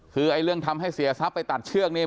คือเรื่องทำให้เสียซับไปตัดเชือกมันแบบ